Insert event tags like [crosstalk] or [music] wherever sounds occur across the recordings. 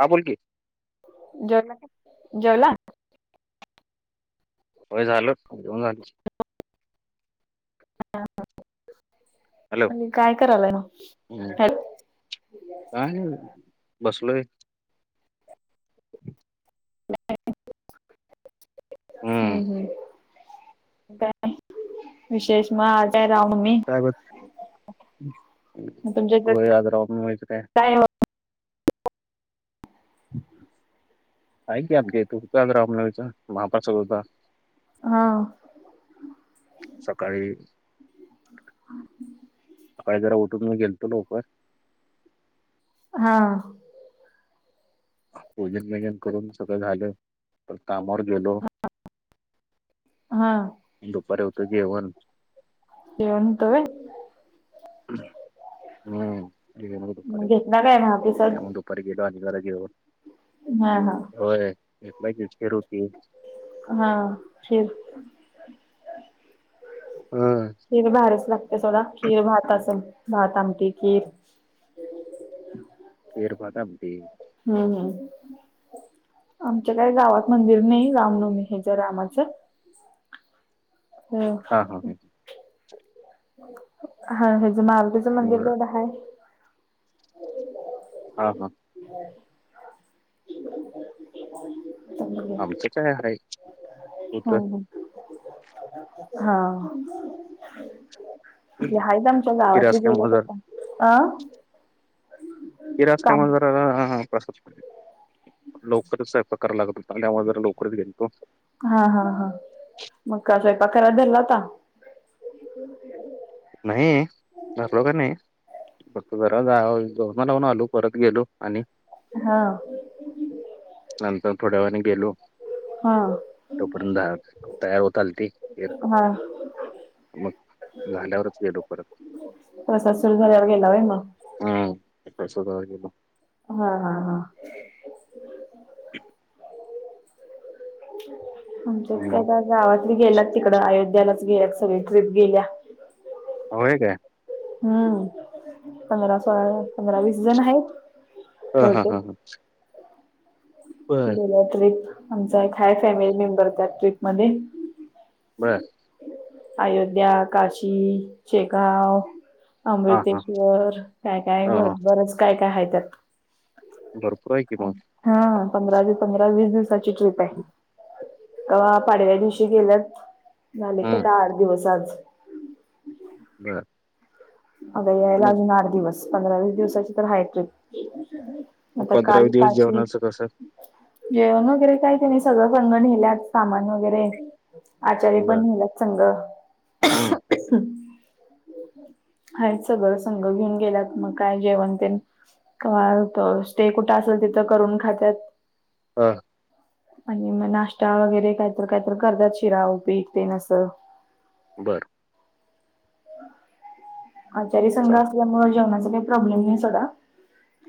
हा, बोल कि. जेवला नहीं, जेवला? होय झाल, जेवण झालं. [unintelligible] हॅलो आणी, काय करायलो म? हम्म. हॅ काय नई बई, बसलोय. हम् हम्म. काय, विशेष म आज राम नवमी? काय ब होय, आज रामनवमी चं काय? हम्. [unintelligible] आहे की, आज तू ग रामनवमीचा, महाप्रसाद होता. हा. सकाळी, सकाळी जरा उठ तुम्ही गेलतो लवकर? हां. भोजन बिजन करून, सगळ झाल, परत कामावर गेलो. हा दुपरी होत जेवण. जेवण हुत व्हय? हम्म मंग घेतला नाय म आफिसात? वर गेलो आणि जरा घेऊन हा हा होय एक [inaudible] रोटी. हा, शेव होय खीर भारीच लागत्या सोडा, खीर-भात असंल भात, आमटी, खीर खीर, भातं, आमटी हम्म ह. आमच्या काही गावात मंदिर नाही, रामनवमी ह्याच्या रामाच हो हा हा हा हा, ह्याच मारुतीच मंदिर बरं तेवढं हाय. हा हा बर. आमचं काय हाय हम्म हं, हा हायत आमच्या खीर गावातली असल्यामुळं गेल्यात जरा [inaudible] अं खीर काम असल्यामुळं जरा हा हा, [unintelligible] लवकरच स्वयंपाक करायला लागत होता त्यामुळे जरा लवकरच गेलतो. हा हा हा मग काय स्वयंपाक करायला धरलाता? नाही, धरला वगैरे नाही. फक्त जरा जाऊन वरन जाऊन आलो, परत गेलो आणि हां नंतर थोड्या वेळाने गेलो हा तोपर्यंत तयार होत आलती खीर हा मग झाल्यावर प्रसाद सुरु झाल्यावर गेला व्हय मग? हा प्रसादाला गेलो. हा हा हा [inaudible] आमच्यात काय मग बा गावातली गेल्यात तिकड, अयोध्यालाच गेल्यात सगळी ट्रिप गेल्या. व्हय काय. हम्म, पंधरा-सोळा, पंधरा-वीस जण आहेत. ह हा हा बहुतेक. हा बर गेल्या ट्रिप, आमचा एक हाय फॅमिली मेंबर त्या ट्रिपमध्ये. बर अयोध्या, काशी, शेगांव, हा हा अमृतेश्वर काय-काय, हा हा बरच काय काय हाय त्यात. भरपूर आहे की मग हा पंधरा-वी, पंधरा-वीस दिवसाची ट्रिप आहे. कवा पाडव्या दिवशी गेल्यात, झाले की हम्म आता आठ दिवस आज. बर अग यायला मग अजून आठ दिवस. पंधरा-वीस दिवसाची तर हायच ट्रिप. आता पंधरावे काल दिवस पाचवी जेवणाचं कसं जेवण वगैरे काय त्यांने सगळं संंग नेल्यात सामान वगैरे. आचारी बर पण नेल्यात संघ. हम्म आहेत सगळं संघ घेऊन गेल्यात मग काय जेवण तेन कवा स्टे कुठं असेल तिथं करून खात्यात. हा. आणि मग नाश्ता वगैरे काही‌तर कायतर करतात शिरा उपीट तेन असं. बरं. आचारी संघ चालत असल्यामुळे जेवणाचा काही प्रॉब्लेम नाही सोधा.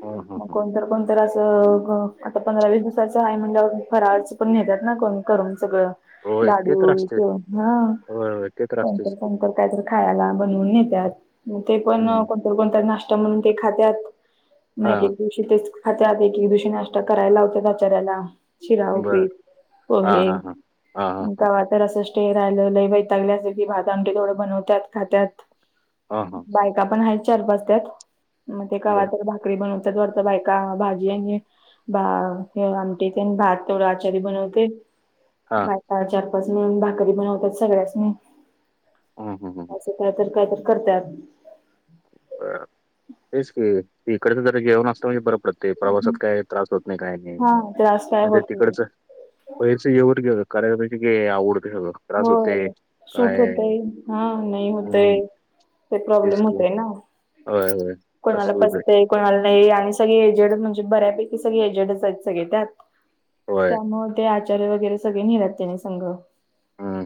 ह मग ह कोणतर कोण तर असं आता पंधरा-वीस दिवसाचं आहे म्हणल्यावर फराळच पण नेतात ना कोण करून सगळं. होय ते तर लाडून असते तेन हा. होय, होय ते तर असतोच कोणतर की. कोणतर कायतर खायला बनवून नेतात. ते पण हम्म. कोणत कोणत नाश्ता म्हणून ते खात्याात. हा नाही तिथेच खातात एक एक दिवशी नाष्ट्ता करायला लावतात आचार्यांला. शिरा, बर. ऊपीट, हा, पोहे हा, हा. हा, हा, मग हा, गावात तर असं स्टे राहिलं लैवाई तागल्या अस की भात आंमटी थोडं बनवतात खात्याात. हा. हा. बायका पण आहेत चार-पाच त्यात‌ मग ते कावा बर. तर भाक री बनवतात वाटत बायका भाजी आणि बा हे आमटीथेन भात तेथोड आचारी बनवते. हा. बायका चार-पाच मिळून भाकरी बनवतात सगळ्यासनी. ह हम ह ह. का तर काय तर करत्यात. तेच की त इकडच ज जेवण असतता म्हणजे बर पडत. ते प्रवासात काय त्रास होत नाही काही नाही. हा त्रास काय नाही ते होत नाही तिकडच पैरचं जव कं कार्यकची आवडते सगं. होय. सूट होतय हा नाही हं. होतय. ते प्रॉब्लेम तेच की. होतय ना. होय, होय. तसंच कोणाला होतंय. पचतय कोणाला नाही आणि सगळे एजेड म्हणजे बऱ्यापैकी सगळे एजेडच आहेत सगळे त्यात. होय. त्यामुळे ते आचार्य वगैरे सगळे नेल्यात त्यानी संघ. हम.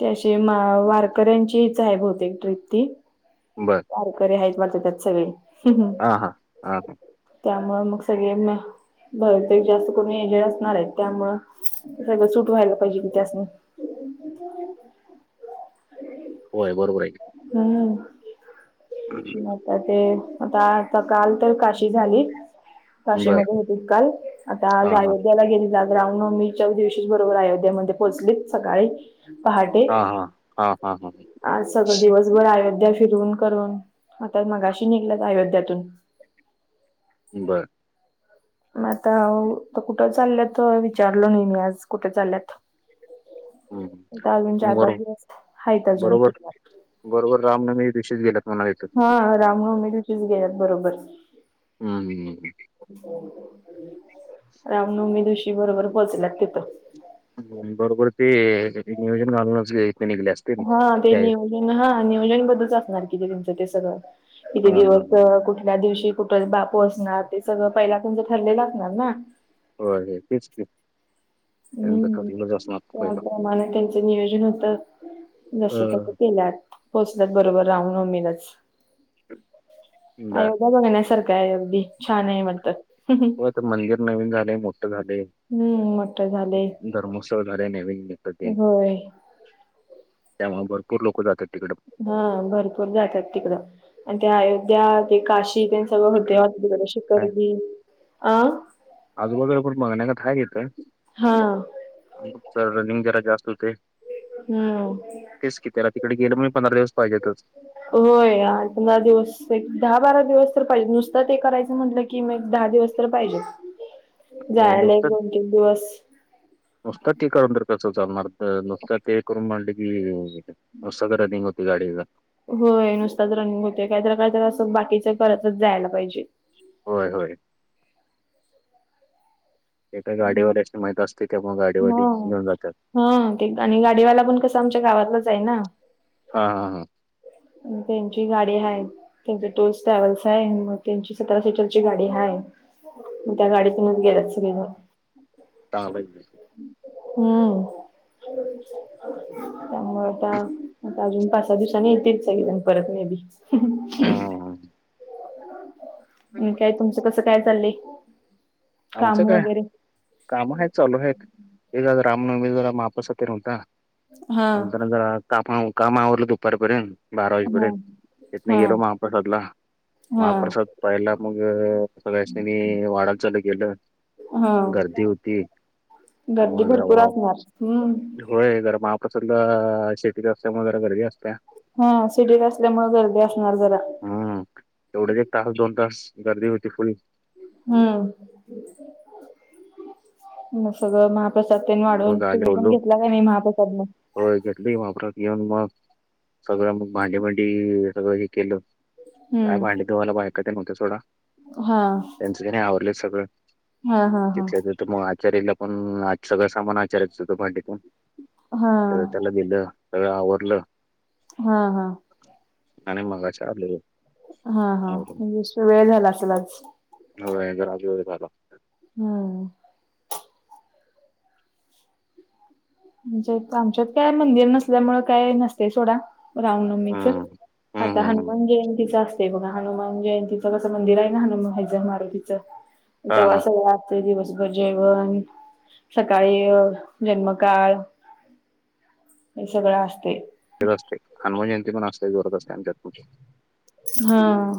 त्याशी वारकऱ्यांचीच आहे बहुतेक ट्रीप ती. बरं. वारकरी आहेत वाटत त्यात सगळे. हा हा हा. त्यामुळे मग सगळे बहुतेक जास्त कोणी एजेड असणार आहे त्यामुळ सगळं सूट व्हायला पाहिजे कि त्या असनी. [unintelligible] होय बरोबर आहे. हम्म की. म. तर ते आता आता काल तर काशी झाली. बरं. काशीमध्ये होते काल आता हा, हा. आयोध्याला गेलेत आज. रामनवमीच्या दिवशीच बरोबर आयोध्या मध्ये पोहोचलीत सकाळी. पहाटे हा, हा. हा, हा, हा. आज. सगळं दिवसभर अयोध्या फिरून करून आता मगाशी निगल्यात अयोध्यातून. बरं. मग आता कुट चाल्यात विचारलो नाई मी आज कुट चाल्यात. हं. आता अजून चार पाच बरो दिवस हाइत अजून बरोबर फिरनार बरोबर रामनवीमी दिवशीच गेल्यात मनायच हा रामनवमी दिवशीच गेल्यात बरोबर. हम्म. रामनवमी दिवशी बरोबर पोहोचल्यात तित बरोबर ते नियोजन घालूनच इतन निघली असत हा ते नियोजन हा नियोजन बद्दलच असणार कि तेंचं ते सगळं. किती हा हा दिवस हा कुठल्या दिवशी कुटाय बापू असणार ते सगळं पइला तुमचं ठरलेलं असणार ना? होय तेच की त्यांचं हम्म ठरलेलंच असणार पहिला. त्याप्रमाणे तेंचं नियोजन हुत जस तस अ केल्यात पोहोचल्यात बरोबर रामनवमीलाच बर अयोद्या बगण्या सारकाय अगदी छानाय म्हणतात हो आता मंदिर नवीन झालय मोठ झालय हम्म मोठं झालंय धर्मोत्सव झालय नवीन तित ते. होय त्यामुळ भरपूर लोक जात्यात तिकड. हा भरपूर जात्यात तिकडं आणि ते अयोध्या ते काशी ते. होतय काय [unintelligible] रे शिकली अ. आजूबाजूला पण बगण्यागत हाय तित हा फक्त रनिंग जरा जास्त हुतय. हम्म तेच की तेला तिकड गेलं मनजे पंधरा दिवस पाइजेेतच होय आट दहा दिवस एक दहा बारा दिवस तर पाइजेत नुस्ता ते करायचं म्हटलं की. कि म एक दहा दिवस तर पाइजेत होय जायला एक दोन तीन दिवस. नुस्ता ते करून तर कसं चालणार नुस्ता ते करून आंडल की. नुस्ताच रनिंग हुतय गाडीला. होय नुसताच रनिंग होतय कायतर कायतर असं करतच जायला पाइजे. होय होय. ते काय गाडीवाल्यासनी माइत असतय त्यामुळ गाडीवाली हो. घेऊन जात्यात हा ते क आणि गाडीवाला पण कसं आमच्या गावातलाच हाय ना. हा हा हा. म तेंची गाडी हाय त्यांचे टूर्स ट्रॅव्हल्स हाय मग तेंची सतरा सीटरची गाडी हाय त्या गाडीतूनच गेल्यात सगळेजण. लाबाय हम्म. त्यामुळ आता आता अजून पाच सा दिवसान येतील. एक परत मे बी हम्म म काय तुमचं कसं काय चाल्लंय? आमचं काय काम हाइत चालू हाइत ते जरा रामनवमी जरा महाप्रसाद तेन हुता. हा. म्हनताना जरा काम काम आवरलं जरा दुपारपरेंत बारा हो. वाजेपरेंत तितन हा गेलो महाप्रसादला हा महाप्रसाद पाहिला मग. सगळ्यासनी बी वाडायला चालू केलो हा गर्दी हुती गर्दी त्यामुळ जरा भरपूर वाव. असणार हम्म. होय जरा महाप्रसादला शेगडी असल्यामुळे जरा गर्दी असत्या. हं. सिटीत असल्यामुळ गर्दी असणार जरा. हम्म. तेवढेच एक तास दोन तास गर्दी होते. कुणी हम्म. म सगळं महा प्रसाद तेन वाढून. मग आलो तुम्ही पण बोललो, घेतला का नाही महाप्रसाद मग? होय घेतल की महाप्रसाद. येऊन मग सगळं मग भांडी भांडी ये सगळं हे केलं. काय भांडी हम्म धुवायला बायका ते नव्हत सोडा. हा. त्यांच त्यांनी आवरलं सगळ हा हा हा तिथल्या तित. त मग आचारीला पण आज सगळं सामान आचार्याचच होतं भांडीपण. हा त्याचं त्याला दिलं. सगळं आवरलं. हा हा. आणि मंगाशी आलो घरी. हा हा. म पुष्कळ वेळ झाला असेल आज? वेळ दहा दिवस झाला. हं. म्हणजे त आमच्यात काय मंदिर नसल्यामुळे काय नसते सोडा. रामनवमीचं, हम्म हम्म आता हम्म. हम्म. हनुमान जयंतीचा अस तेय बघा. हनुमान जयंतीचं कसं मंदिर आहे ना हनुम हज मारुतीचं. हा तेवा हा सगळं अस तय दिवसभर जेवण, सकाळी अ जन्म काळ हे सगळं आसतय. हे तर असते. हनुमान जयंती पण असते जोरात असते आमच्यात पण. हं.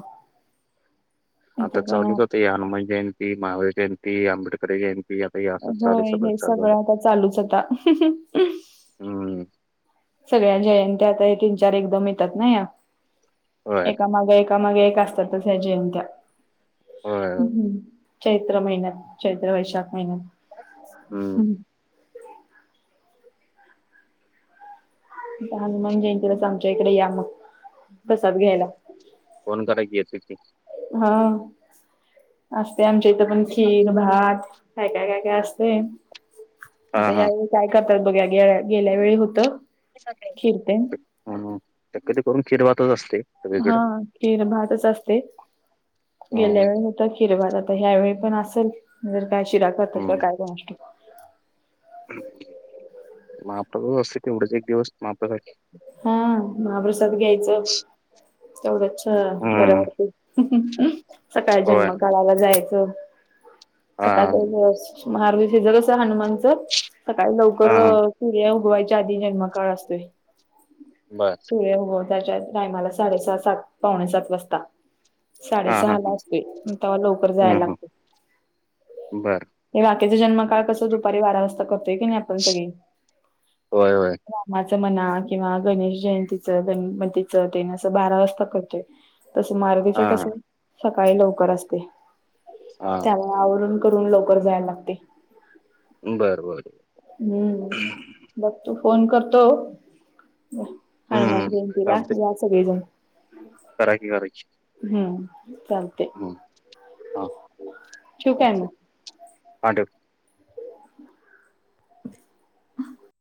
आता चालूच होते, हे हनुमान जयंती, महावीर जयंती, आंबेडकर जयंती. आता हे असंच चालू होय हे चालू झालं. सगळं आता चालूच आता. [unintelligible] हं. सगळ्या जयंत्या आता या तीन चार एकदम येतात ना ह्या. होय एका माग एक एका माग एक असताततच या जयंत्या. होय चैत्र महिन्यात. चैत्र वैशाख महिन्यात. हम्म [unintelligible] आता हनुमान जयंतीलाच आमच्या इकडे या मग, प्रसाद घ्यायला. फोन करा की, येतो की. हं. असते आमच्या इथं पण खीर, भात काय काय काय. हे असते. हा आता हा यावेळी काय करतात बघ? या गे गेल्या वेळी होत. खीर तेन हं हं. शक्यते करून खीर भातच असते. सगळीकडं हं. खीर भातच असते. हा गेल्या वेळी हो ता खीर भात आता ह्यावेेळी पण असेल, जर काय शिरा करतात की काय कोणास ठाऊक? महाप्रसाद असत. तेवढच एक दिवस महाप्रसादसाठी हं. महाप्रसाद घ्यायचं. तेवढंच छ बरं हम्म वाटत. सकाळी होय जन्म कालाला जायचं. हा सकाळी हा. [unintelligible] महारूद्र अभिषेक [unintelligible] हनुमानचं सकाळी हा हा लवकरच सूर्य उगवायच्या आधी जन्मकाळ असतोय. बरं. सूर्य उगवत्याच्या टायमाला साडेसहा सात पावणे सात वाजता. हा हा साडेसहा हा ला असतोय. अन तवा लवकर जाया हम्म हम्म लागतंय. बर हे बाकीचा जन्मकाळ कसं दुपारी बारा वाजता करतोय की नाही आपण सगळे. होय होय रामाच म्हणा किंवा गणेश जयंतीच गणपतीचं तेनेच असं बारा वाजता करतोयं. तसं मावीचं हा कसं सकाळी लवकर असते, हा हा. त्याला आवरुण करून लवकर जायला लागते. बरं बरं हम्म बघतो फोन करतो. हम्म हनुमान हम्म जयंतीला चालतंय या सगळेजण. करा की करा की हम्म, चालते. हम्म हा ठेवू काय मग? चालते पांढ [inaudible]